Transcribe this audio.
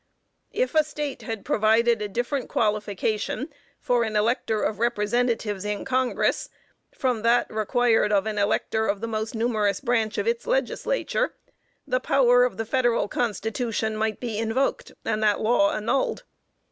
If a State had provided a different qualification for an elector of Representatives in Congress, from that required of an elector of the most numerous branch of its Legislature, the power of the federal constitution might be invoked, and the law annuled.